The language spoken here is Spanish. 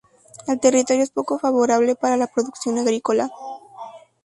El territorio es poco favorable para la producción agrícola.